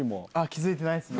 気付いてないです。